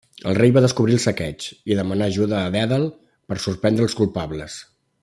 El rei va descobrir el saqueig, i demanà ajuda a Dèdal per sorprendre els culpables.